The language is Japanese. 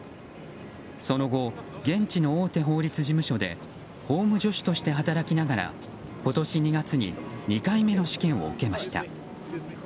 その後、現地の大手法律事務所で法務助手として働きながら今年２月に２回目の試験を受けました。